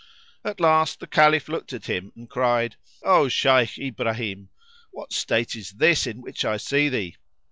At last the Caliph looked at him and cried, "O Shaykh Ibrahim, what state is this in which I see thee?"